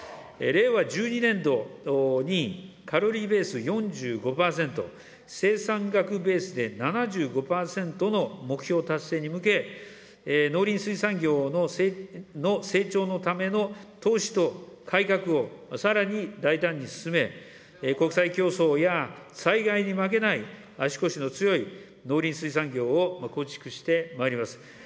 令和１２年度にカロリーベース４５％、生産額ベースで７５％の目標達成に向け、農林水産業の成長のための投資と改革をさらに大胆に進め、国際競争や災害に負けない、足腰の強い農林水産業を構築してまいります。